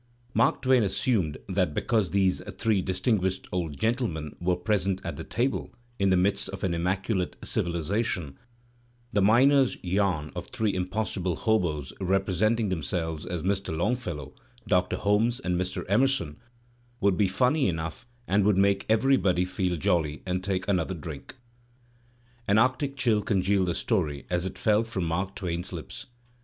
Mark Twain assumed that because thes^ three distinguished old gentlemen were present at the table, in the midst of an immaculate civilization, the miner's yam of three impossible hoboes representing themselves as Mr. Longfellow, Doctor Holmes, and Mr. Emerson, would be funny enough and would make everybody feel jolly and take another drink. An arctic chill congealed the story as it fell from Mark Twain*s lips.